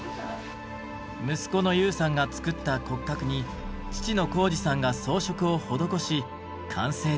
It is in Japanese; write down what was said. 息子の悠さんが作った骨格に父の浩司さんが装飾を施し完成です。